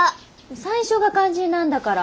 最初が肝心なんだから。